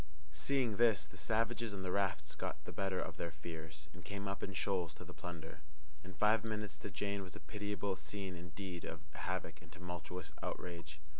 Seeing this, the savages on the rafts got the better of their fears, and came up in shoals to the plunder. In five minutes the Jane was a pitiable scene indeed of havoc and tumultuous outrage.